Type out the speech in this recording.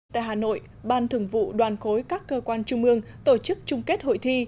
tại hà nội ban thường vụ đoàn khối các cơ quan trung ương tổ chức trung kết hội thi